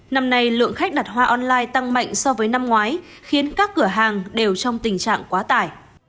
năm nay lượng khách đặt hoa online tăng mạnh so với năm ngoái khiến các cửa hàng đều trong tình trạng quá tải